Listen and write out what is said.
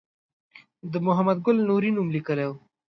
د محمد ګل نوري نوم لیکلی و.